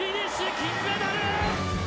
金メダル！